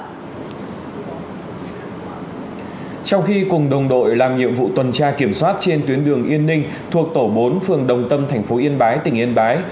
trong khi cùng đồng đội làm nhiệm vụ tuần tra kiểm soát trên tuyến đường yên ninh thuộc tổ bốn phường đồng tâm thành phố yên bái tỉnh yên bái